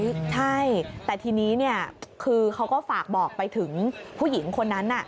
ใช่แต่ทีนี้คือเขาก็ฝากบอกไปถึงผู้หญิงคนนั้น